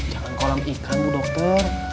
jangan kolam ikan bu dokter